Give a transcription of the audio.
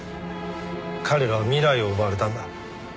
彼らは未来を奪われたんだ。